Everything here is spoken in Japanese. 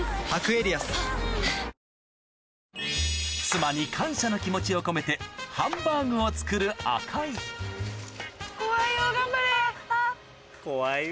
妻に感謝の気持ちを込めてハンバーグを作る赤井怖いよ